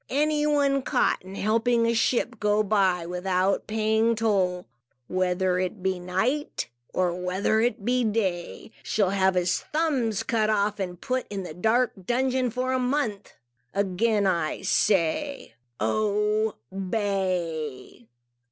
Any one caught in helping a ship go by without paying toll, whether it be night, or whether it be day, shall have his thumbs cut off and be put in the dark dungeon for a month. Again I say, Obey!"